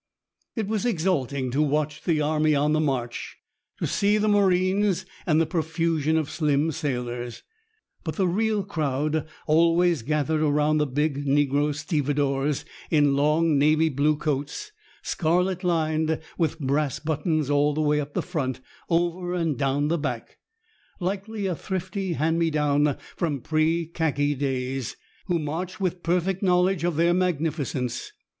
It was exalting to watch the army on the march, to see the marines and the profusion of slim sailors. But the real crowd always gathered around the big negro stevedores in long navy blue coats, scarlet lined, with brass buttons all the way up the front, over and down the back likely a thrifty hand me down from pre khaki days who marched with perfect knowledge of their magnificence.